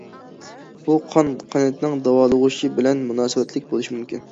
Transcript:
بۇ قان قەنتىنىڭ داۋالغۇشى بىلەن مۇناسىۋەتلىك بولۇشى مۇمكىن.